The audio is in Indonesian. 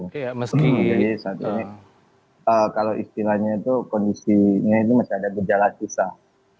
jadi saat ini kalau istilahnya itu kondisinya itu masih ada gejala kisah